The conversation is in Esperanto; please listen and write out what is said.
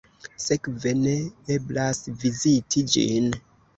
Sekve ne eblas viziti ĝin.